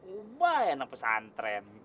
ubah ya nampes antren